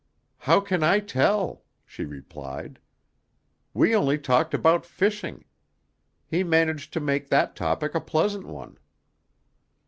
"How can I tell?" she replied. "We only talked about fishing. He managed to make that topic a pleasant one."